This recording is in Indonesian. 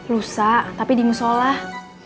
lusa tapi dimusolah